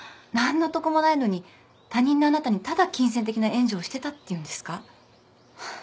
何の得もないのに他人のあなたにただ金銭的な援助をしてたっていうんですか？